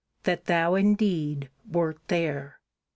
that Thou indeed wert there!